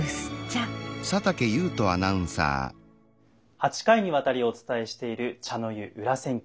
８回にわたりお伝えしている「茶の湯裏千家」。